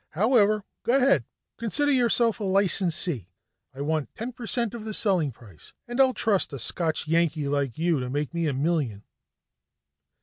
"However, go ahead. Consider yourself a licensee. I want ten percent of the selling price, and I'll trust a Scotch Yankee like you to make me a million."